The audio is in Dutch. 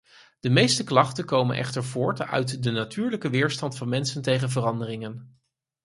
De meeste klachten komen echter voort uit de natuurlijke weerstand van mensen tegen veranderingen.